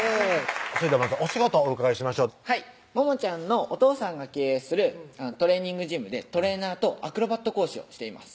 それではまずお仕事お伺いしましょうももちゃんのお父さんが経営するトレーニングジムでトレーナーとアクロバット講師をしています